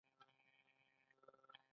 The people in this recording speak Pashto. دریمه د امریکا د میخانیکي انجینری ټولنه وه.